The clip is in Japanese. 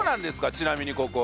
ちなみにここは。